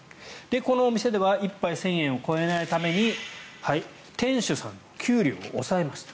このお店では１杯１０００円を超えないために店主さんの給料を抑えました。